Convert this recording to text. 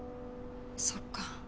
そっか。